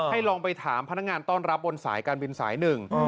ลองไปถามพนักงานต้อนรับบนสายการบินสายหนึ่ง